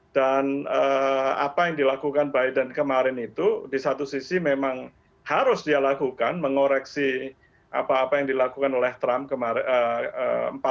dan apa yang dilakukan biden kemarin itu di satu sisi memang harus dia lakukan mengoreksi apa apa yang dilakukan oleh trump empat tahun memerintah ya